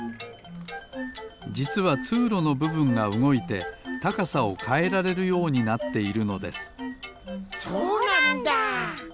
じつはつうろのぶぶんがうごいてたかさをかえられるようになっているのですそうなんだ！